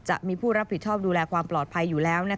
จะมีผู้รับผิดชอบดูแลความปลอดภัยอยู่แล้ว